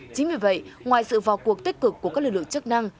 chính vì vậy ngoài sự vào cuộc tích cực của các lực lượng chức năng